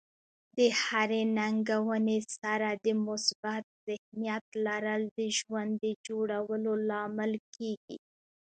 د هرې ننګونې سره د مثبت ذهنیت لرل د ژوند د جوړولو لامل کیږي.